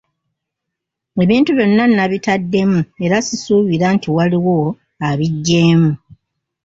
Ebintu byonna nabitaddemu era sisuubira nti waliwo abiggyeemu.